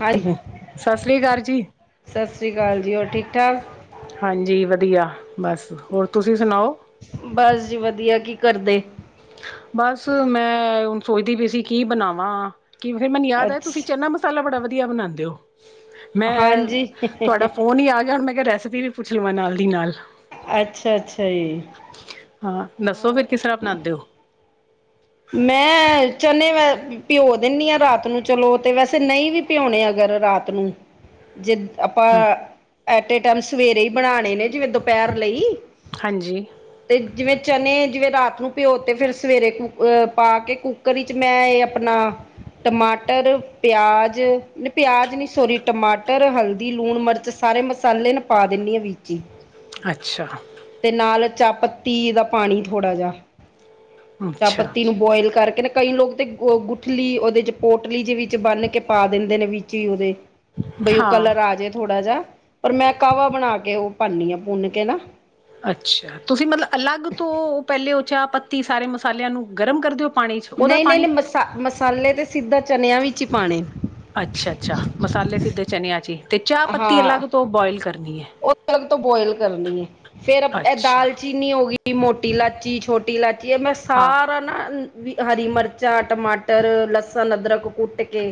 ਹਾਂਜੀ, ਸਤਿ ਸ੍ਰੀ ਅਕਾਲ ਜੀ। ਸਤਿ ਸ੍ਰੀ ਅਕਾਲ ਜੀ, ਹੋਰ ਠੀਕ ਠਾਕ? ਹਾਂਜੀ, ਵਧੀਆ। ਬਸ ਹੋਰ। ਤੁਸੀਂ ਸੁਣਾਓ? ਬਸ ਜੀ ਵਧੀਆ ਕੀ ਕਰਦੇ। ਬਸ ਮੈਂ ਹੁਣ ਸੋਚਦੀ ਪਈ ਸੀ। ਕੀ ਬਣਾਵਾਂ ਕੀ ਫੇਰ, ਮੈਨੂੰ ਯਾਦ ਹੈ ਤੁਸੀਂ ਅੱਛਾ, ਚਨਾ ਮਸਾਲਾ ਮਸਾਲਾ ਬੜਾ ਵਧੀਆ ਬਣਾਉਦੇ ਓ, ਮੈਂ ਹਾਂਜੀ, ਤੁਹਾਡਾ ਫੋਨ ਹੀ ਆ ਗਿਆ ਹੁਣ ਮੈਂ ਕਿਹਾ ਰੈਸਪੀ ਪੁਛਲਵਾਂ ਨਾਲ ਦੀ ਨਾਲ। ਅੱਛਾ ਅੱਛਾ ਜੀ। ਹਾਂ। ਦੱਸੋ ਫੇਰ ਕਿਸ ਤਰ੍ਹਾਂ ਹਾਂ। ਬਣਾਉਂਦੇ ਓ। ਮੈਂ, ਚਨੇ ਵ ਭਓ ਦੇਨੀ ਆਂ ਰਾਤ ਨੂੰ ਚਨੇ ਤੇ ਵੈਸੇ ਨਈ ਵੀ ਭਓਨੇ ਅਗਰ ਰਾਤ ਨੂੰ ਜੇ ਆਪਾਂ, ਹ ਐਟੇ ਟੈਮ ਸਵੇਰੇ ਈ ਬਣਾਨੇ ਨੇ ਜਿਵੇਂ ਦੋਪੈਰ ਲਈ ਹਾਂਜੀ। ਤੇ ਜਿਵੇਂ ਚਨੇ, ਜਿਵੇਂ ਰਾਤ ਨੂੰ ਪਓ ਤੇ ਫੇਰ ਸਵੇਰੇ ਕੁ ਅ ਪਾ ਕੇ ਕੁੱਕਰ ਵਿੱਚ ਮੈਂ ਏ ਆਪਨਾ। ਟਮਾਟਰ, ਪਆਜ, ਨੀ ਪਆਜ ਨੀ ਸੋਰੀ, ਟਮਾਟਰ, ਹਲਦੀ, ਲੂਣ, ਮਰਚ ਸਾਰੇ ਮਸਾਲੇ ਨਾ ਪਾ ਦੇਨੀ ਆ ਵਿੱਚ ਈ। ਅੱਛਾ। ਤੇ ਨਾਲ ਚਾਹ ਪੱਤੀ ਦਾ ਪਾਨੀ ਥੋੜਾ ਜਾ। ਅੱਛਾ ਚਾਹਪੱਤੀ ਨੂੰ ਬੋਅਲ ਕਰਕੇ ਨਾ ਕਈ ਲੋਕ ਤੇ ਗੁਠਲੀ ਉਹਦੇ ਚ' ਪੋਟਲੀ ਦੇ ਵਿੱਚ ਬੰਨ ਕੇ ਪਾ ਦਿੰਦੇ ਨੇ ਵਿੱਚ ਹੀ ਉਹਦੇ। ਬਈ ਉਹ ਹਾਂ ਕਲਰ ਆ ਜੇ ਥੋੜ੍ਹਾ ਜਿਹਾ। ਪਰ ਮੈਂ ਕਾਹਵਾ ਬਣਾ ਕੇ ਉਹ ਪਾਂਨੀ ਆ ਭੁੰਨ ਕੇ ਨਾ। ਅੱਛਾ। ਤੁਸੀਂ ਮਤਲਬ ਅਲੱਗ ਤੋਂ ਪਹਿਲੇ ਉਹ ਚਾਹ ਪੱਤੀ ਸਾਰੇ ਮਸਾਲਿਆਂ ਨੂੰ ਗਰਮ ਕਰ ਦੇੳ। ਨਹੀਂ- ਨਹੀਂ -ਨਹੀਂ ਮਸਾ -ਮਸਾਲੇ ਤੇ ਸਿੱਧਾ ਚਨਿਆਂ ਵਿੱਚ ਹੀ ਪਾਣੇ। ਅੱਛਾ, ਅੱਛਾ ਮਸਾਲੇ ਸਿੱਧੇ ਚਨੇਆਂ ਚ' ਈ। ਤੇ ਚਾਹ ਪੱਤੀ ਅਲੱਗ ਤੋ ਬੋਅਲ ਕਰਨੀ ਏ। ਓ ਅਲੱਗ ਤੋ ਬੋਅਲ ਕਰਨੀ ਆ। ਫੇਰ ਏ ਅੱਛਾ ਦਾਲ ਚੀ ਕਿੰਨੀ ਹੋਗੀ ਮੋਟੀ ਲਾਚੀ, ਛੋਟੀ ਲਾਚੀ, ਏ ਮੈਂ ਹਾਂ ਸਾਰਾ ਨਾ ਵੀ ਹਰੀ ਮਰਚਾ, ਟਮਾਟਰ, ਲਸਨ, ਅਦਰਕ, ਕੁੱਟ ਕੇ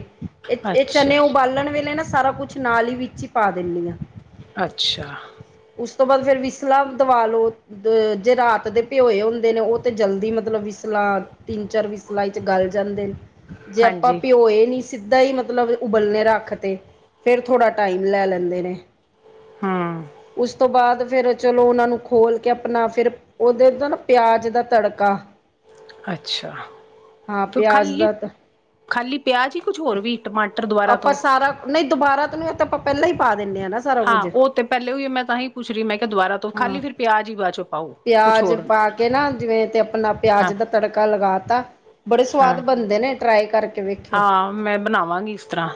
ਏ, ਏ ਅੱਛਾ ਚਨੇ ਉਬਾਲਨ ਵੇਲੇ ਨਾ ਸਾਰਾ ਕੁਛ ਨਾਲ ਈ ਵਿੱਚ ਈ ਪਾ ਦੇਨੀ ਆਂ। ਅੱਛਾ। ਉਸ ਤੋ‌‌ ਬਾਦ ਫੇਰ ਵਿਸਲਵ ਦਵਾ ਲੋ। ਅ ਜੇ ਰਾਤ ਦੇ ਭਓਏ ਹੁੰਦੇ ਨੇ ਓ, ਤੇ ਜਲਦੀ ਮਤਲਬ ਵਿਸਲਾ ਤਿੰਨ- ਚਾਰ ਵੀ ਸਲਾਈ ਚ' ਗਲ ਜਾਂਦੇ, ਜੇ ਆਪਾਂ ਹਾਂਜੀ ਭਓਏ ਨੀ। ਸਿੱਧਾ ਈ ਮਤਲਬ ਉਬਲਨੇ ਰੱਖ ਤੇ। ਫੇਰ ਥੋੜਾ ਟਾਈਮ ਲੈ ਲੈਂਦੇ ਨੇ। ਹਾਂ। ਉਸ ਤੋ‌ ਬਾਦ ਫੇਰ ਚਲੋ ਉਨਾਂ ਨੂੰ ਖੋਲ ਕੇ ਆਪਨਾ ਫੇਰ ਓਦੇ ਤੋ‌ ਨਾ ਪਆਜ ਦਾ ਤੜਕਾ ਅੱਛਾ‌ ਹਾਂ ਪਿਆਜ ਖਾਲੀ, ਦਾ ਤ ਖਾਲੀ ਪਆਜ ਈ ਕੁਝ ਹੋਰ ਵੀ ਟਮਾਟਰ ਦ ਆਪਾ ਸਾਰਾ ਨਈ ਦੁਬਾਰਾ ਤੋਂ ਨੀ ਓ ਤ ਆਪਾਂ ਪੈਲਾਂ ਈ ਪਾ ਦੇਨੇ ਆ ਨਾ ਸਾਰਾ ਹਾਂ, ਕੁੱਝ ਓ ਤੇ ਪੈਲੇ ਓਯੋ ਮੈਂ ਤਾਂਹੀ ਪੁੱਛ ਰੀ ਮੈਂ ਕੇਆ ਦੁਬਾਰਾ ਤੋ ਖਾਲੀ ਫਿਰ ਪਿਆਜ ਈ ਬਾਚੋ ਪਾਓ। ਕੁਛ ਪਆਜ ਹੋਰ ਪਾ ਕੇ ਨਾ ਜਿਵੇਂ, ਤੇ ਆਪਨਾ ਪਆਜ ਹਾਂ ਦਾ ਤੜਕਾ ਲਗਾ ਤਾ। ਬੜੇ ਹਾਂ ਸਵਾਦ ਬਨਦੇ ਨੇ, ਟਰਾਏ ਕਰਕੇ ਵੇਖਓ। ਹਾਂ ਮੈਂ ਬਨਾਵਾਂਗੀ ਇਸ ਤਰਾਂ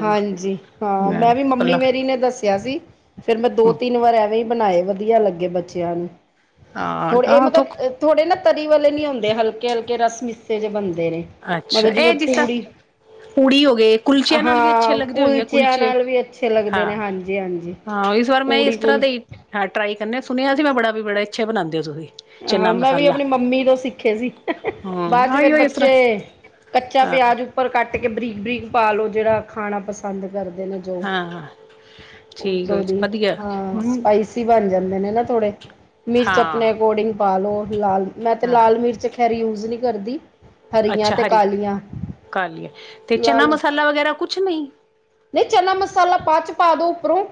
ਹਾਂਜੀ, ਹਾਂ, ਮੈਂ ਵੀ ਮੰਮੀ ਮੇਰੀ ਨੇ ਦਸੇਆ ਸੀ। ਫੇਰ ਮੈਂ ਦੋ- ਤਿੰਨ ਵਾਰ ਐਵੇਂ ਈ ਬਨਾਏ ਵਦੀਆ ਲੱਗੇ ਬੱਚੇਆਂ ਨੂੰ। ਹੁਨ‌ ਏ ਹਾਂ ਥੁੱਕ ਮਤਲਬ ਥੋੜੇ ਨਾ ਤਰੀ ਵਾਲੇ ਨੀ ਹੁੰਦੇ ਹਲਕੇ- ਹਲਕੇ ਰਸ- ਮਿਸੇ ਬਨਦੇ ਨੇ, ਮਤਲਵ‌ ਜਿਵੇਂ ਪੂੜੀ ਪੁੜੀ ਹੋਗੇ। ਕੁਲਚੇਆਂ ਨਾਲ ਵੀ ਅੱਛੇ ਹਾਂ ਲੱਗਦੇ ਹੋਏਗੇ ਕੁਲਚਿਆਂ ਕੁਲਚੇ। ਨਾਲ ਵੀ ਅੱਛੇ ਲੱਗਦੇ ਨੇ ਹਾਂ, ਹਾਂਜੀ ਹਾਂਜੀ। ਹਾਂ ਇਸ ਵਾਰ ਮੈਂ ਏਸ ਪੂੜੀ ਤਰਾਂ ਕੁਲ ਦੇ ਈ ਹਾਂ, ਟਰਾਈ ਕਰਨੇ ਸੁਨੇਆ ਸੀ ਮੈਂ ਬੜਾ ਵੀ ਬੜਾ ਅੱਛੇ ਬਨਾਂਦੇ ਓ ਤੁਸੀ। ਹਾਂ ਮੈਂ ਵੀ ਆਪਨੀ ਮੰਮੀ ਤੋਂ ਸਿੱਖੇ ਸੀ। ਹਮ ਬਾਦ ਚੋ ਫੇਰ ਆਈਓ ਇਸ ਬੱਚੇ ਤਰ੍ਹਾਂ ਕੱਚਾ ਹਾਂ ਪਆਜ, ਉੱਪਰ ਕੱਟ ਕੇ, ਬਰੀਕ, ਬਰੀਕ ਪਾਲੋ। ਜੇੜਾ ਖਾਣਾ ਪਸਾੰਦ ਕਰਦੇ ਨੇ। ਜੋ। ਹਾਂ- ਹਾਂ। [unintelligible] ਹਾਂ, ਸਪਾਈਸੀ ਬਨ ਜਾਂਦੇ ਨੇ, ਨਾ ਥੋੜੇ, ਮਿਰਚ ਹਾਂ ਆਪਨੇ। ਕੋਡਿੰਗ ਪਾ ਲੋ। ਲਾਲ ਮੈਂ ਤੇ ਹਾਂ ਲਾਲ ਮਿਰਚ ਖੈਰ ਯੂਜ ਨੀ ਕਰਦੀ। ਹਰੀਆਂ ਅੱਛਾ ਤੇ ਹਰੀ, ਕਾਲੀਆਂ ਕਰ ਲੀਏ। ਤੇ ਚਨਾ ਮਸਾਲਾ ਵਗੈਰਾ ਕੁਛ ਨੀ। ਨੀ ਚਨਾ ਮਸਾਲਾ ਬਾਦ ਚ' ਪਾ ਦੋ ਉੱਪਰੋਂ,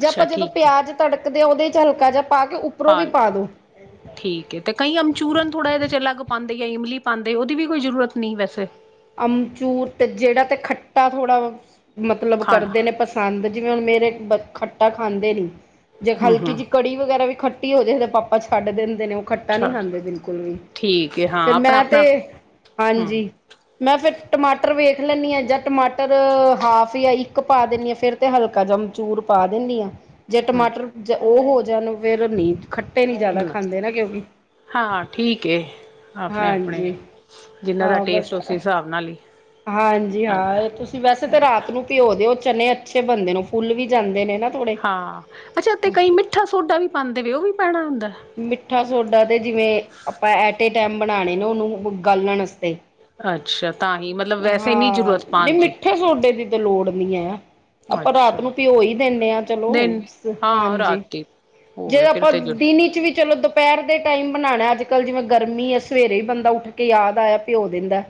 ਜੇ ਆਪਾਂ ਜਦੋਂ ਠੀਕ ਹੈ ਪਆਜ ਤੜਕਦੇ ਆ ਓਦੇ ਚ ਹਲਕਾ ਜਾ ਪਾਕੇ ਉੱਪਰੋਂ ਵੀ ਪਾਲ ਪਾ ਦੋ। ਠੀਕ ਏ, ਤੇ ਕਈ ਅਮਚੂਰਨ ਥੋੜਾ ਏਦੇ ਚ' ਅਲੱਗ ਪਾਂਦੇ, ਯਾ ਇਮਲੀ ਪਾਂਦੇ, ਓਦੀ ਵੀ ਕੋਈ ਜ਼ਰੂਰਤ ਨੀ ਵੈਸੇ। ਅਮਚੂਰ ਤੇ ਜੇੜਾ ਤੇ ਖੱਟਾ ਥੋੜਾ ਮਤਲਬ ਖਾਣਾ ਕਰਦੇ ਨੇ ਪ ਪਸੰਦ ਜਿਵੇਂ, ਹੁਣ ਮੇਰੇ ਖੱਟਾ ਬੱਚੇ ਖਾਂਦੇ ਨੇ। ਜੇ ਹਮ ਹਲਕੀ ਹਮ ਜਿਹੀ ਕੜੀ ਵਗੈਰਾ ਵੀ ਖੱਟ ਖਟੀ ਜਿਹੇ ਦੇ ਪਾਪਾ ਛੱਡ ਦਿੰਦੇ ਨੇ। ਉਹ ਖੱਟਾ ਨਹੀਂ ਅੱਛਾ ਖਾਂਦੇ ਬਿਲਕੁਲ ਵੀ। ਠੀਕ ਹੈ ਹਾਂ ਫਿਰ ਆਪਣਾ ਮੈਂ ਤੇ, ਆਪਣਾ ਹਮ ਹਾਂਜੀ। ਮੈਂ ਫੇਰ ਟਮਾਟਰ ਵੇਖ ਲੈਂਦੀ ਆ। ਜਾਂ ਟਮਾਟਰ ਹਾਫ ਜਾਂ ਇੱਕ ਪਾ ਦਿੰਦੀ ਆ। ਫੇਰ। ਤੇ ਹਲਕਾ ਜੇਹਾ ਅਮਚੂਰ ਪਾ ਦੇਨੀ ਆ। ਜੇ ਟਮਾਟਰ ਹਮ ਉਹ, ਹੋ ਜਾਣ ਫੇਰ ਨੀ। ਖੱਟੇ ਨੀ ਜਿਆਦਾ, ਖਾਂਦੇ ਨਾ ਕਿਉਂਕਿ। ਹਾਂ। ਠੀਕ ਐ। ਆਪਣੇ-ਆਪਣੇ, ਹਾਂਜੀ ਜਿੰਨਾਂ ਦਾ ਹਾਂ ਬਸ ਟੇਸਟ, ਉਸੇ ਹਿਸਾਬ ਨਾਲ ਹੀ। ਹਾਂਜੀ, ਹਾਂ। ਇਹ ਤੁਸੀਂ ਵੈਸੇ, ਤਾਂ ਰਾਤ ਨੂੰ। ਭਿਓ ਦੋ ਉਹ, ਚਨੇ ਅੱਛੇ ਬਣਦੇ ਨੇ, ਫੁੱਲ ਵੀ ਜਾਂਦੇ ਨੇ ਨਾ ਥੋੜੇ। ਹਾਂ ਅੱਛਾ। ਤੇ ਕਈ, ਮਿੱਠਾ ਸੋਡਾ ਵੀ, ਪਾਉਂਦੇ ਵੇ ਉਹ ਵੀ ਪੈਣਾ ਹੁੰਦਾਂ ਐ? ਮਿੱਠਾ ਸੋਡਾ ਤੇ ਜਿਵੇਂ, ਆਪਾਂ ਐਟੇ ਟੈਮ ਬਨਾਣੇ ਨੇ ਓਨੂੰ ਗਾਲਣ ਆਸਤੇ। ਅੱਛਾ ਤਾਂ ਹੀ ਮਤਲਬ ਵੈਸੇ ਨਹੀਂ ਹਾਂ, ਜ਼ਰੂਰਤ ਨੀ ਪਾਉਣ ਦੀ ਮਿੱਠੇ ਸੋਡੇ, ਦੀ ਤੇ ਲੋੜ ਨੀ ਐ। ਆਪਾ ਰਾਤ ਅੱਛਾ ਨੂੰ, ਭਿਯੋ ਈ ਦੇਨੇ ਆਂ ਚਲੋ, ਦਿਨ ਹਾਂ ਹਾਂਜੀ। ਰਾਤੀ ਹੋ ਜੇ ਗਏ ਫਿਰ ਆਪਾ ਤੇ ਜ ਦਿਨੀ ਵੀ ਚਲੋ। ਦੁਪਹਿਰ ਦੇ ਟਾਈਮ ਬਣਾਉਣਾ, ਅੱਜ ਕੱਲ ਜਿਵੇਂ ਗਰਮੀ ਐ। ਸਵੇਰੇ ਹੀ ਬੰਦਾ ਉੱਠ ਕੇ, ਯਾਦ ਆਇਆ ਭਿਓ ਦਿੰਦਾ ਏ।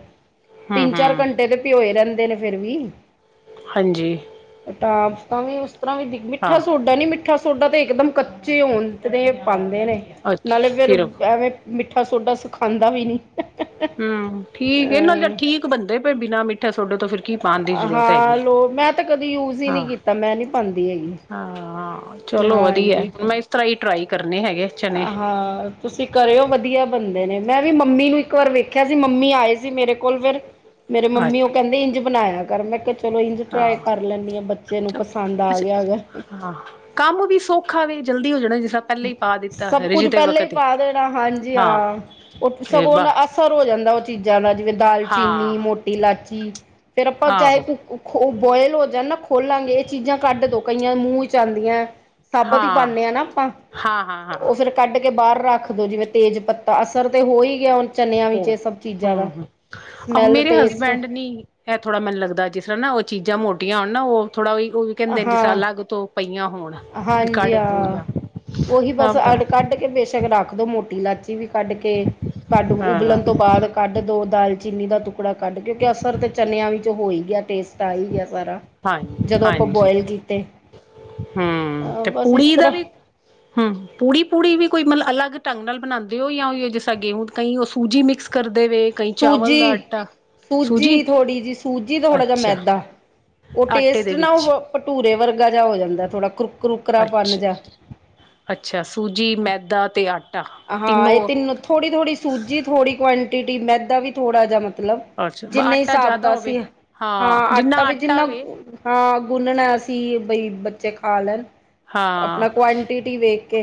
ਹਮ ਤਿੰਨ- ਚਾਰ ਹਮ ਘੰਟੇ ਤੇ, ਭਿਓਏ ਰਹਿੰਦੇ ਨੇ, ਫੇਰ ਵੀ। ਹਾਂਜੀ। ਟਾਪ ਤਾਂ ਨੀ, ਉਸ ਤਰਾਂ ਵੀ, ਮਿੱਠਾ ਹਾਂ ਸੋਡਾ ਨੀ। ਮਿੱਠਾ ਸੋਡਾ ਤੇ, ਇਕਦਮ ਕੱਚੇ ਹੋਣ ਤੇ ਪਾਉਂਦੇ ਨੇ, ਅੱਛ ਨਾਲੇ ਫੇਰ ਫਿਰ ਐਵੇਂ। ਮਿੱਠਾ ਸੋਡਾ, ਸਿਖਾਉਂਦਾ ਵੀ ਨੀ। ਹੂੰ, ਠੀਕ ਐ। ਜੇ ਅ ਠੀਕ ਬਣਦੇ ਪਣੇ ਬਿਨਾਂ ਮਿੱਠਾ ਸੋਡੋ ਤੋਂ। ਕੀ ਪਾਉਣ ਦੀ ਜ਼ਰੂਰਤ ਹਾਂ ਹੈਗੀ ਲੋ। ਮੈਂ ਤਾਂ ਕਦੇ ਯੂਜ ਹੀ, ਹਾਂ ਨਹੀਂ ਕੀਤਾ, ਮੈਂ ਨੀ ਪਾਉਦੀ ਹੈਗੀ। ਹਾਂ, ਚਲੋ ਵਧੀਆ। ਹਾਂਜੀ ਹੁਣ ਮੈਂ ਇਸ ਤਰਾਂ ਹੀ, ਟਰਾਈ ਕਰਨੇ ਹੈਗੇ। ਚਨੇ ਅ ਹਾਂ। ਤੁਸੀਂ ਕਰਿਓ, ਵਧੀਆ ਬੰਦੇ ਨੇ। ਮੈਂ ਵੀ ਮੰਮੀ ਨੂੰ, ਇੱਕ ਵਾਰ ਵੇਖਿਆ ਸੀ। ਮੰਮੀ ਆਏ ਸੀ ਮੇਰੇ ਕੋਲ ਫੇਰ। ਮੇਰੇ ਹਾਂ ਮੰਮੀ ਉਹ, ਕਹਿੰਦੇ ਇੰਝ ਬਣਾਇਆ ਕਰ। ਮੈਂ ਕਿਹਾ ਚਲੋ ਇੰਝ, ਟਰਾਈ ਕਰ ਲੈਂਦੀ ਆ। ਬੱਚੇ ਨੂੰ ਅੱਛਾ ਪਸੰਦ ਆ ਗਿਆ, ਅਗਰ। ਹਾਂ। ਕੰਮ ਵੀ ਸੌਖਾ ਐ। ਜਲਦੀ ਹੋ ਜਾਣਾ ਜਿਸ ਨਾਲ। ਸਭ ਕੁਝ, ਪਹਿਲਾਂ ਹੀ ਪਾ ਦੇਣਾ। ਹਾਂਜੀ, ਹਾਂ। ਉਹ ਤੇ ਸਗੋਂ, ਉਹ ਦਾ ਬਸ ਅਸਰ ਹੋ ਜਾਂਦਾ। ਉਹ ਚੀਜ਼ਾਂ ਦਾ, ਜਿਵੇਂ ਦਾਲਚੀਨੀ ਹਾਂ ਮੋ ਟੀ ਇਲਾਚੀ, ਫੇਰ ਆਪਾਂ ਚਾਹੇ ਆਹੋ ਬੋਇਲ ਹੋ ਜਾਣ ਨਾ ਖੋਲਾਂਗੇ, ਇਹ ਚੀਜ਼ਾਂ ਕੱਢ ਦੋ ਕਈਆਂ ਨੂ ਮੂੰਹ ਚ ਆਉਂਦੀਆਂ। ਸਭਤ ਹੀ ਹਾਂ ਪਾਨੇ, ਆ ਨਾ ਆਪਾਂ। ਹਾਂ। ਹਾਂ ਉਹ ਫੇਰ, ਕੱਢ ਕੇ ਬਾਹਰ ਰੱਖ ਦੋ। ਜਿਵੇਂ ਤੇਜ਼ ਪੱਤਾ ਅਸਰ ਤੇ, ਹੋ ਹੀ ਗਿਆ ਹੁਣ ਚਨਿਆਂ ਵਿੱਚ ਹੋਰ ਇਹ ਸਭ ਚੀਜ਼ਾਂ ਦਾ ਹੂ-ਹੂ, ਔਰ ਸਮੈਲ ਮੇਰੇ ਟੇਸਟ ਹਸਬੈਂਡ ਨੀ ਇਹ ਥੋੜਾ ਮੈਨੂੰ ਲੱਗਦਾ। ਜਿਸ ਤਰਾਂ ਨਾ ਉਹ, ਚੀਜ਼ਾਂ ਮੋਟੀਆਂ ਹੋਣ ਨਾ। ਉਹ ਥੋੜਾ ਉਹੀ-ਉਹ ਵੀ, ਕਹਿੰਦੇ ਜਿਸ ਹਾਂ ਅਲੱਗ ਤੋਂ ਪਈਆਂ ਹੋਣ ਵੀ ਹਾਂਜੀ ਕੱਢ ਦੋ ਹਾਂ। ਜਾਂ ਉਹੀ ਬਸ ਸਭ ਦਾ ਅ ਕੱਢ ਕੇ ਬੇ ਰੱਖ ਦੋ ਮੋਟੀ ਇਲਾਚੀ ਵੀ ਕੱਢ ਕੇ, ਕੱਢ ਹਾਂ ਉਬਲਣ ਤੋਂ ਬਾਅਦ ਕੱਢ ਦੋ ਦਾਲਚੀਨੀ ਦਾ ਟੁਕੜਾ ਕੱਢ, ਕਿਉਂਕਿ ਅਸਰ ਤਾਂ ਚਨਿਆਂ ਵਿੱਚ ਹੋ ਹੀ ਗਿਆ। ਟੇਸਟ ਆ ਹੀ ਗਿਆ ਸਾਰਾ। ਹਾਂਜੀ ਜਦੋਂ ਆਪਾਂ ਹਾਂਜੀ ਬੋਆਇਲ ਕੀਤੇ। ਹੂੰ, ਅਹ ਤੇ ਬਸ ਇਸ ਪੁੂੜੀ ਦਾ ਤਰ੍ਹਾਂ ਵੀ ਹੂੰ। ਪੂੜੀ, ਪੂੜੀ ਵੀ ਕੋਈ, ਮਤਲਬ ਅਲੱਗ ਢੰਗ ਨਾਲ ਬਣਾਉਂਦੇ ਓ। ਜਾਂ ਜਿਸ ਤਰਾਂ ਗੇਹੂ, ਕਈ ਉਹ ਸੂਜੀ ਮਿਕਸ ਕਰਦੇ ਵੇ ਕਈ ਚਾਵਲ ਦਾ ਆਟਾ ਸੂਜੀ-ਸੂਜੀ ਸੂਜੀ ਥੋੜੀ ਜੀ, ਸੂਜੀ ਥੋੜਾ ਜਿਹਾ ਅੱਛਾ ਮੈਦਾ। ਉਹ ਆਟੇ ਟੇਸਟ ਦੇ ਨਾ। ਵਿੱਚ ਉਹ ਭਟੂਰੇ ਵਰਗਾ, ਜਿਹਾ ਹੋ ਜਾਂਦਾ। ਥੋੜਾ ਕਕ ਅੱਛਾ- ਅੱਛਾ ਸੂਜੀ, ਮੈਦਾ ਤੇ ਆਟਾ। ਹਾਂ ਇਹ, ਤਿੰਨੋ ਥੋੜੀ -ਥੋੜੀ, ਸੂਜੀ ਥੋੜੀ ਕੁਆਂਟਿਟੀ ਮੈਦਾ ਵੀ ਥੋੜਾ ਜਿਹਾ, ਮੱਤਲਬ ਅੱਛਾ ਜਿੰਨੇ ਆਟਾ ਹਿਸਾਬ ਜ਼ਿਆਦਾ ਦਾ ਸੀ। ਹੋਵੇ ਹਾਂ, ਜਿੰਨਾ ਆਟਾ ਵੀ ਜਿੰਨਾਂ। ਵੇ ਹਾਂ ਗੁੰਨਣਾ ਅਸੀ, ਬਈ ਬੱਚੇ ਖਾ ਲੈਣ। ਹਾਂ ਆਪਣਾ ਕੁਆਂਆਂਟਿਟੀ ਵੇਖ ਕੇ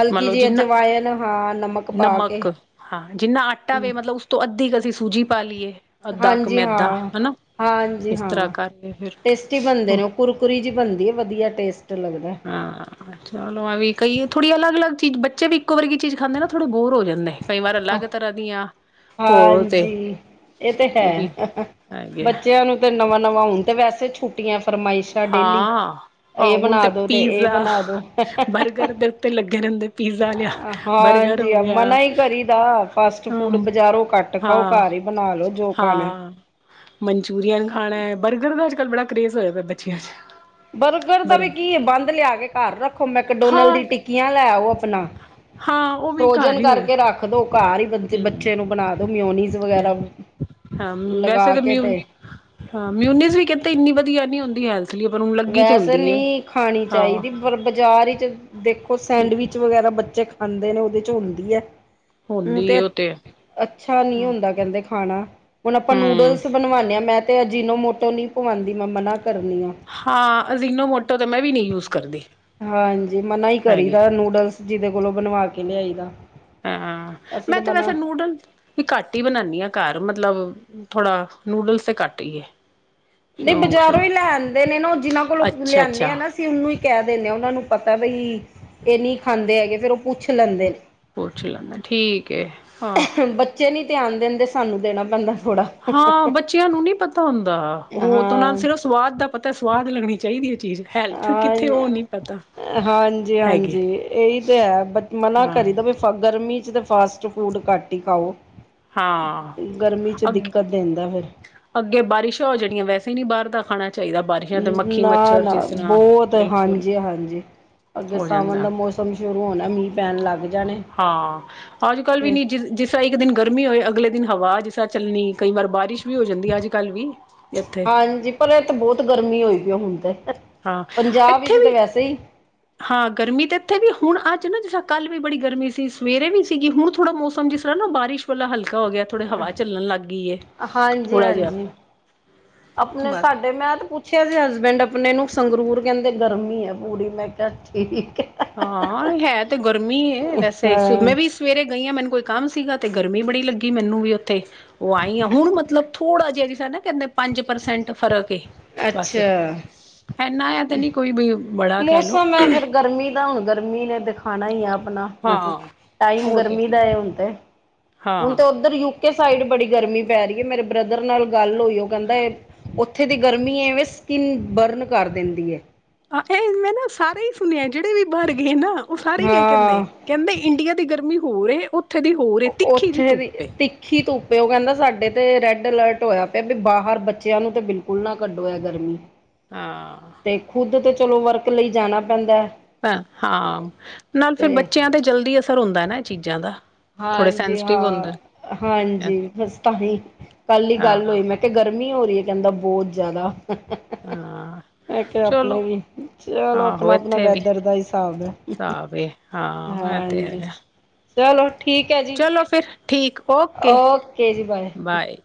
ਹਲਕੀ ਮਤਲਬ ਜਿਹੀ ਜਿੰਨਾ ਅਜਵਾਇਣ ਹਾਂ ਨਮਕ ਪਾਕੇ। ਨਮਕ ਹਾਂ। ਜਿੰਨਾ ਆੱਟਾ ਵੇ ਮੱਤਲਬ ਉਸ ਤੋਂ ਅੱਧੀ ਕੁ ਅਸੀਂ ਸੂੱਜ਼ੀ ਪਾ ਲਈਏ। ਅੱਧਾ ਕੁ ਹਾਂਜੀ ਮੈਦਾ ਹਾਂ। ਹਨਾ ਹਾਂਜੀ ਇਸ ਤਰ੍ਹਾਂ ਹਾਂ। ਕਰਕੇ ਫਿਰ ਟੇਸਟੀ ਬਣਦੇ ਨੇ ਉਹ ਕੁਰਕਰੀ ਜਿਹੀ ਬਣਦੀ ਹੈ ਵਧੀਆ ਟੇਸਟ ਲੱਗਦਾ ਹਾਂ ਚਲੋ ਆਵੀ ਕਈ ਥੋੜ੍ਹੀ ਅਲੱਗ ਅਲੱਗ ਚੀਜ਼ ਬੱਚੇ ਵੀ ਇੱਕੋ ਵਰਗੀ ਚੀਜ਼ ਖਾਂਦੇ ਨੇ ਥੋੜ੍ਹੇ ਬੋਰ ਹੋ ਜਾਂਦੇ। ਕਈ ਵਾਰ ਅਲੱਗ ਤਰ੍ਹਾਂ ਦੀਆਂ ਹੋਰ ਤੇ ਹਾਂਜੀ। ਇਹ ਤੇ ਉਹ ਵੀ ਹੈ ਹੈਗੇ ਆ ਬੱਚਿਆਂ ਨੂੰ ਤੇ ਨਵਾਂ- ਨਵਾਂ ਹੋਣ ਤੇ, ਵੈਸੇ ਛੁੱਟੀਆਂ ਫਰਮਾਇਸ਼ ਡੇਲੀ ਹਾਂ ਆਹ ਇਹ ਹੁਣ ਬਣਾ ਦੋ ਤੇ ਇਹ ਪੀਜ਼ਾ ਬਣਾ ਦੋ। [inaudible] ਤੇ ਲੱਗੇ ਰਹਿੰਦੇ। ਪੀਜ਼ਾ ਲਿਆ ਬਰਗੱਰ ਹਾਂਜੀ ਹੋ ਗਿਆ। ਮਨਾ ਹੀ ਕਰੀ ਦਾ ਫਾਸਟ ਹਂ ਫੂਡ ਬਜ਼ਾਰੋਂ ਘੱਟ ਖਾਓ ਹਾਂ ਘਰ ਹੀ ਬਣਾ ਲੋ ਜੋ ਖਾਣਾ ਹਾਂ। ਮਨਚੂਰੀਅਨ ਖਾਣਾ ਹੈ ਬਰਗੱਰ ਦਾ ਅੱਜ ਕੱਲ੍ਹ ਬੜਾ ਕਰੇਜ ਹੋਇਆ ਬੱਚਿਆਂ ਵਿਚ ਬਰਗੱਰ ਦਾ ਵੀ ਕੀ ਬੰਧ ਲਿਆ ਕੇ ਘਰ ਰੱਖੋ ਮੈਕਡੋਨਲ ਦੀ ਹਾਂ ਟਿੱਕੀਆਂ ਲੈ ਆਉ ਆਪਣਾ ਹਾਂ ਉਹ ਵੀ ਘਰ ਫਰੋਜਨ ਹੀ ਹੋਏ ਕਰਕੇ ਰੱਖ ਦੋ ਘਰ ਹੀ ਹਮ ਬੱਚੇ ਨੂੰ ਬਣਾ ਦੋ ਮਿਓਨੀਜ਼ ਵਗੈਰਾ ਹਾਂ ਵੈਸੇ ਲਗਾ ਤਾਂ ਕੇ ਮਿਊ ਤੇ ਹਾਂ ਮਿਊਨਿਸ ਵੀ ਕਹਿੰਦੇ ਇੰਨੀ ਵਧੀਆ ਨੀ ਹੁੰਦੀ ਹੈ। ਲਈ ਪਰ ਹੁਣ ਲੱਗੀ ਤੇ ਵੈਸੇ ਹੁੰਦੀ ਨਹੀਂ ਖਾਣੀ ਹਾਂ ਚਾਹੀਦੀ। ਪਰ ਬਾਜ਼ਾਰ ਵਿਚ ਦੇਖੋ ਸੈਂਡਵਿਚ ਵਗੈਰਾ ਬੱਚੇ ਖਾਂਦੇ ਨੇ ਉਹਦੇ ਚ ਹੁੰਦੀ ਹੈ। ਹੁਣ ਹੁੰਦੀ ਤੇ ਹੈ ਉਹ ਅੱਛਾ ਨਹੀਂ ਹੂੰ ਹੁੰਦਾ ਕਹਿੰਦੇ ਖਾਣਾ ਹੁਣ ਆਪਾਂ ਹੂੰ ਨੂਡਲਸ ਬਣਵਾਉਂਦੇ ਹਾਂ ਮੈਂ ਤੇ ਅਜਿਨੋ ਮੋਟੋ ਨਹੀਂ ਪਵਾਉਂਦੀ ਮੈਂ ਮਨਾ ਕਰਨੀ ਹਾਂ। ਹਾਂ। ਅਜਿਨੋ ਮੋਟੋ ਤਾਂ ਮੈਂ ਵੀ ਨਹੀਂ ਯੂਜ ਕਰਦੀ ਹਾਂਜੀ ਮਨਾ ਹੀ ਹੈਗੀ ਕਰੀਦਾ ਨੂਡਲਸ ਜਿਹਦੇ ਕੋਲੋਂ ਬਣਵਾ ਕੇ ਲਿਆਈ ਦਾ ਹਾਂ। ਅਸੀਂ ਮੈਂ ਤਾਂ ਤੇ ਵੈਸੇ ਮਨਾ ਨੂਡਲ ਵੀ ਘੱਟ ਹੀ ਬਣਾਦੀ ਹਾਂ ਘਰ ਮੱਤਲਬ ਥੋੜਾ ਨੂਡਲਸ ਤੇ ਘੱਟ ਹੀ ਹੈ। ਨਹੀਂ ਸ਼ੌਂਕ ਬਜ਼ਾਰੋਂ ਸ਼ੌਂਕ ਹੀ ਲੈ ਆਂਦੇ ਨੇ ਨਾ ਉਹ ਜਿਨਾਂ ਕੋਲੋਂ ਅੱਛਾ ਲਿਆਦੇ ਆ ਅੱਛਾ ਨਾ ਅਸੀਂ ਉਹਨੂੰ ਹੀ ਕਹਿ ਦਿੰਦੇ ਹਾਂ ਉਹਨਾਂ ਨੂੰ ਪਤਾ ਬਈ ਇਹ ਨਹੀਂ ਖਾਂਦੇ ਹੈਗੇ ਫਿਰ ਉਹ ਪੁੱਛ ਲੈਂਦੇ ਨੇ ਪੁੱਛ ਲੈਂਦਾ ਠੀਕ ਹੈ ਹਾਂ। ਨੇ ਬੱਚੇ ਨਹੀਂ ਧਿਆਨ ਦੇਂਦੇ ਸਾਨੂੰ ਦੇਣਾ ਪੈਂਦਾ ਥੋੜਾ ਹਾਂ ਬੱਚਿਆਂ ਨੂੰ ਨਹੀਂ ਪਤਾ ਹੁੰਦਾ ਉਹ ਤਾਂ ਨਾਂ ਹਾਂ ਸਿਰਫ਼ ਸਵਾਦ ਦਾ ਪਤਾ ਸਵਾਦ ਲੱਗਣੀ ਚਾਹੀਦੀ ਹੈ ਚੀਜ਼ ਹੈਲਥ ਹਾਂ ਕਿੱਥੇ ਉਹ ਨਹੀਂ ਪੈਦਾ। ਹਾਂਜੀ ਹਾਂਜੀ ਇਹੀ ਤੇ ਹੈ ਬਟ ਮਨਾ ਹਾਂ ਕਰੀ ਦਾ ਵੀ ਗਰਮੀ ਚ ਤਾਂ ਫਾਸਟ ਫੂਡ ਘੱਟ ਹੀ ਖਾਓ ਹਾਂ ਗਰਮੀ ਚ ਅੱਗੇ ਦਿੱਕਤ ਦਿਦਾਂ ਫਿਰ ਅੱਗੇ ਬਾਰਿਸ਼ਾਂ ਹੋ ਜਾਣੀਆਂ ਵੈਸੇ ਨਹੀਂ ਬਾਹਰ ਦਾ ਖਾਣਾ ਚਾਹੀਦਾ ਬਾਰਿਸ਼ ਤੇ ਮੱਖੀ ਨਾ ਮੱਛਰ ਨਾ ਜਿਸ ਤਰ੍ਹਾਂ ਬਹੁਤ ਬਿਲਕੁੱਲ ਹਾਂਜੀ ਹਾਂਜੀ ਅੱਗੇ ਹੋ ਸਾਵਣ ਜਾਂਦਾ ਦਾ ਮੌਸਮ ਸ਼ੁਰੂ ਹੋਣਾ ਮੀਂਹ ਪੈਣ ਲੱਗ ਜਾਣੇ [unintelligible] ਹਾਂ ਅੱਜ ਕੱਲ ਵੀ ਫਿਰ ਨੀ ਜਿਸ ਇੱਕ ਦਿਨ ਗਰਮੀ ਹੋਏ ਅਗਲੇ ਦਿਨ ਹਵਾ ਜਿਸ ਤਰ੍ਹਾਂ ਚੱਲਣੀ ਕਈ ਵਾਰ ਬਾਰਿਸ਼ ਗਰਮੀਂ ਹੋ ਜਾਂਦੀ ਅੱਜ ਕੱਲ੍ਹ ਵੀ ਇੱਥੇ ਹਾਂਜੀ ਪਰ ਇਹ ਤੇ ਬਹੁਤ ਗਰਮੀ ਹੋਈ ਪਈ ਹੁਣ ਤੇ ਹਾਂ ਪੰਜਾਬ ਵਿੱਚ ਇੱਥੇ ਤੇ ਵੀ ਵੈਸੇ ਹੀ ਹਾਂ ਗਰਮੀ ਤਾਂ ਇੱਥੇ ਵੀ ਹੁਣ ਅੱਜ ਨਾ ਜਿਸ ਕੱਲ ਵੀ ਬੜੀ ਗਰਮੀ ਸੀ ਸਵੇਰੇ ਵੀ ਸੀਗੀ ਹੁਣ ਥੋੜ੍ਹਾ ਮੌਸਮ ਜਿਸ ਤਰ੍ਹਾਂ ਨਾ ਬਾਰਿਸ਼ ਭਲਾ ਹਲਕਾ ਹੋ ਗਿਆ ਥੋੜੀ ਹਵਾ ਚੱਲਣ ਲੱਗ ਗਈ ਹਾਂਜੀ ਥੋੜਾ ਜਿਹਾ ਹਾਂਜੀ ਆਪਣੇ ਬਸ ਸਾਡੇ ਮੈਂ ਤੇ ਪੁੱਛ ਪੁੱਛਿਆ ਸੀ ਹਸਬੈਂਡ ਆਪਣੇ ਨੂੰ ਸੰਗਰੂਰ ਕਹਿੰਦੇ ਗਰਮੀ ਹੈ ਪੂਰੀ ਮੈਂ ਕਿਹਾ ਠੀਕ ਹੈ। ਹਾਂ ਹੈ ਤੇ ਗਰਮੀ ਹੈ ਵੈਸੇ ਹਾਂ ਮੈਂ ਵੀ ਸਵੇਰੇ ਗਈ ਹਾਂ ਮੈਨੂੰ ਕੋਈ ਕੰਮ ਸੀਗਾ ਅਤੇ ਗਰਮੀ ਬੜੀ ਲੱਗੀ ਮੈਨੂੰ ਵੀ ਉੱਥੇ ਉਹ ਆਈ ਆ ਹੁਣ ਮਤਲਬ ਥੋੜਾ ਜਿਹਾ ਜਿਸ ਤਰ੍ਹਾਂ ਨਾ ਕਹਿੰਦੇ ਪੰਜ ਪਰਸੈਂਟ ਫਰਕ ਬਸ ਅੱਛਾ ਇਨਾ ਆ ਤੇ ਨਹੀਂ ਕੋਈ ਵੀ ਬੜਾ ਕਹਿ ਲਓ ਮੌਸਮ ਹੈ ਫੇਰ ਗਰਮੀ ਦਾ ਹੁਣ ਗਰਮੀ ਨੇ ਦਿਖਾਣਾ ਹੀ ਆ ਆਪਣਾ ਹਾਂ ਟਾਈਮ ਉਹ ਤੇ ਗਰਮੀ ਦਾ ਹੁਣ ਤੇ ਹੁਣ ਹਾਂ ਤਾਂ ਉਧਰ ਯੂਕੇ ਸਾਈਡ ਬੜੀ ਗਰਮੀ ਪੈ ਰਹੀ ਹੈ ਮੇਰੇ ਬ੍ਰਦਰ ਨਾਲ ਗੱਲ ਹੋਈ ਉਹ ਕਹਿੰਦਾ ਉੱਥੇ ਦੀ ਗਰਮੀ ਏ ਵੇਂ ਸਕਿੰਨ ਬਰਨ ਕਰ ਦਿੰਦੀ ਏ। ਆ ਇਹ ਮੈਂ ਨਾ ਸਾਰੇ ਹੀ ਸੁਣਿਆ ਜਿਹੜੇ ਵੀ ਬਾਹਰ ਗਏ ਨਾ ਉਹ ਸਾਰੇ ਹੀ ਇਹ ਕਹਿੰਦੇ ਹਾਂ ਕਹਿੰਦੇ ਇੰਡੀਆ ਦੀ ਗਰਮੀ ਹੋਰ ਏ ਉੱਥੇ ਦੀ ਹੋਰ ਏ ਤਿੱਖੀ ਜਿਹੀ ਉੱਥੇ ਦੀ ਧੁੱਪ ਏ ਤਿੱਖੀ ਧੁੱਪ ਏ ਕਹਿੰਦਾ ਸਾਡੇ ਤੇ ਰੈੱਡ ਅਲਰਟ ਹੋਇਆ ਪਿਆ ਵੀ ਬਾਹਰ ਬੱਚਿਆਂ ਨੂੰ ਤੇ ਬਿਲਕੁਲ ਨਾ ਕੱਢੋ ਏ ਗਰਮੀ ਹਾਂ ਖੁੱਦ ਤੇ ਚਲੋ ਵਰਕ ਲਈ ਜਾਣਾ ਪੈਂਦਾ ਹਾਂ ਨਾਲ ਫਿਰ ਬੱਚਿਆਂ ਤੇ ਜਲਦੀ ਅਸਰ ਹੁੰਦਾ ਨਾ ਇਹ ਚੀਜ਼ਾਂ ਦਾ ਥੋੜੇ ਹਾਂਜੀ ਸੈਂਸਟਿਵ ਹੁੰਦੇ ਹਾਂ ਐ ਹਾਂਜੀ ਬੱਸ ਤਾਂਹੀ ਕੱਲ ਹੀ ਗੱਲ ਹਾਂ, ਹੋਈ ਮੈਂ ਤੇ ਗਰਮੀ ਹੋ ਰਹੀ ਹੈ ਕਹਿੰਦਾ ਬਹੁਤ ਜ਼ਿਆਦਾ ਹਾਂ ਮੈਂ ਕਿਹਾ ਆਪਣੇ ਚਲੋ ਵੀ ਚਲੋ ਆਪਣਾ ਆਪਣਾ ਵੈਦਰ ਦਾ ਹਿਸਾਬ ਹੈ ਸਾਬ ਏ ਹਾਂ ਇਹ ਤੇ ਹਾਂ--ਜੀ ਹੈਗਾ। ਚਲੋ ਠੀਕ ਏ ਜੀ। ਚਲੋ ਫਿਰ ਠੀਕ ਓਕੇ ਬਾਏ